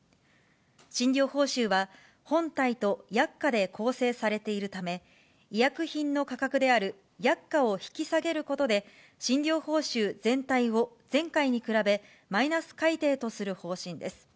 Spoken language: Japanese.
診療報酬は、本体と薬価で構成されているため、医薬品の価格である薬価を引き下げることで、診療報酬全体を前回に比べマイナス改定とする方針です。